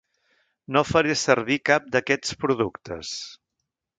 No faré servir cap d’aquests productes.